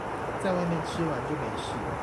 在外面吃完就沒事